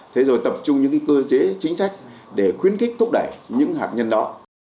thế rồi tập trung những cơ chế chính sách để khuyến khích thúc đẩy những hạt nhân đó